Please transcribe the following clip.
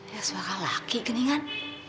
ya suara laki keningan